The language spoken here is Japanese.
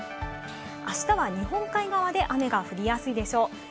あしたは日本海側で雨が降りやすいでしょう。